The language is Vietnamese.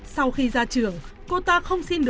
sau khi ra trường